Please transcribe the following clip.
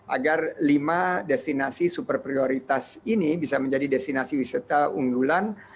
agar lima destinasi super prioritas ini bisa menjadi destinasi wisata unggulan